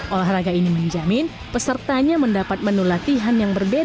olahraga ini menjamin pesertanya mendapat menu latihan yang berbeda